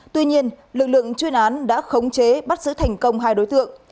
tuy nhiên lực lượng chuyên án đã khống chế bắt giữ thành công hai đối tượng